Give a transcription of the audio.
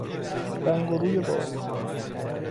رنگ و روی باز